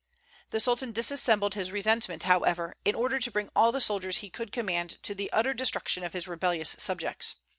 The Sultan dissembled his resentment, however, in order to bring all the soldiers he could command to the utter destruction of his rebellious subjects.